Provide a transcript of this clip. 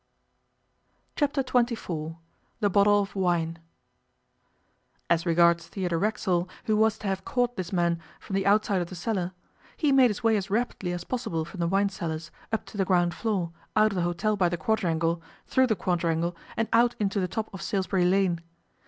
Chapter Twenty Four THE BOTTLE OF WINE AS regards Theodore Racksole, who was to have caught his man from the outside of the cellar, he made his way as rapidly as possible from the wine cellars, up to the ground floor, out of the hotel by the quadrangle, through the quadrangle, and out into the top of Salisbury Lane.